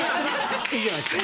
いいじゃないっすか。